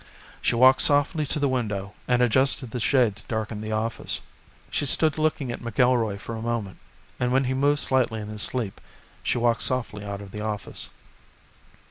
She walked softly to the window and adjusted the shade to darken the office. She stood looking at McIlroy for a moment, and when he moved slightly in his sleep, she walked softly out of the office.